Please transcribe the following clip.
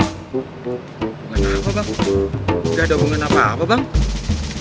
hubungan apa bang gak ada hubungan apa apa bang